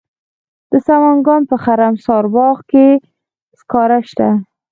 د سمنګان په خرم سارباغ کې سکاره شته.